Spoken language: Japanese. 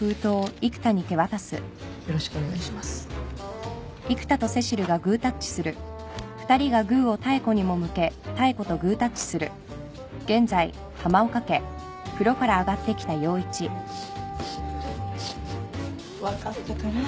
よろしくお願いします分かったから。